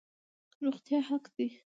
روغتیا حق دی